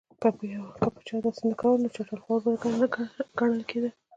که به چا داسې نه کول نو چټل خور به ګڼل کېده.